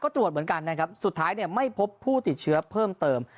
ก็ตรวจเหมือนกันนะครับสุดท้ายเนี่ยไม่พบผู้ติดเชื้อเพิ่มเติม